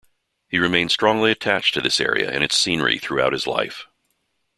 He remained strongly attached to this area and its scenery throughout his life.